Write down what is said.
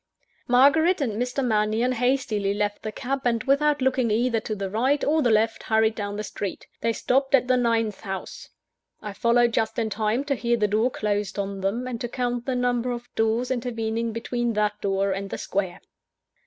Margaret and Mr. Mannion hastily left the cab, and without looking either to the right or the left, hurried down the street. They stopped at the ninth house. I followed just in time to hear the door closed on them, and to count the number of doors intervening between that door and the Square.